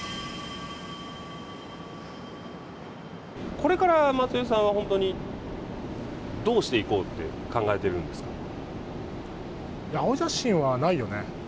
これから松井さんは本当にどうしていこうって考えてるんで青写真はないよね。